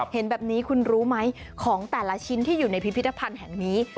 เห็นแบบนี้คุณรู้ไหมของแต่ละชิ้นที่อยู่ในพิพิธภัณฑ์แห่งนี้